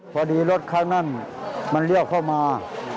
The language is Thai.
พอดีรถข้างนั้นมันเลี่ยวเข้ามา